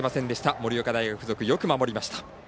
盛岡大学付属、よく守りました。